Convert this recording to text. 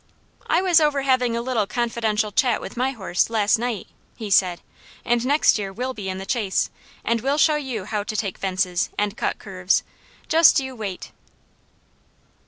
"I was over having a little confidential chat with my horse, last night," he said, "and next year we'll be in the chase, and we'll show you how to take fences, and cut curves; just you wait!"